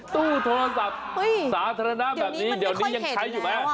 ตู้โทรศัพท์สาธารณะแบบนี้เดี๋ยวนี้ยังใช้อยู่ไหม